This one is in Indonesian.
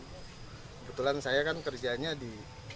kebetulan saya kan kerjanya di